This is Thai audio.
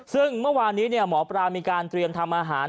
ซึ่งเมื่อวานนี้หมอปลามีการเตรียมทำอาหาร